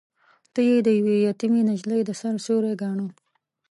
هغه يې د يوې يتيمې نجلۍ د سر سيوری ګاڼه.